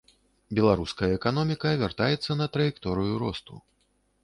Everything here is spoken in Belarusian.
Беларуская эканоміка вяртаецца на траекторыю росту.